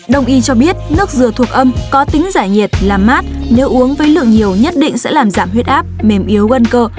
đồng y cho biết nước dừa thuộc âm có tính giải nhiệt làm mát nếu uống với lượng nhiều nhất định sẽ làm giảm huyết áp mềm yếu gần cơ